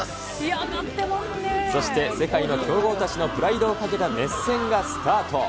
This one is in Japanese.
そして世界の強豪たちのプライドをかけた熱戦がスタート。